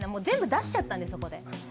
全部出しちゃったんですそこで。